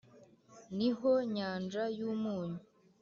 Ni ho nyanja y umunyu